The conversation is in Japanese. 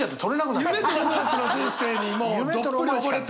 夢とロマンスの人生にもうどっぷり溺れてる？